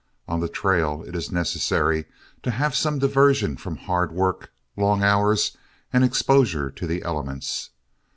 On the trail it is necessary to have some diversion from hard work, long hours, and exposure to the elements.